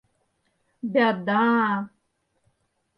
Бяда!